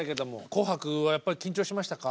「紅白」はやっぱり緊張しましたか？